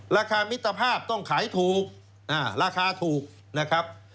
มิตรภาพต้องขายถูกราคาถูกนะครับ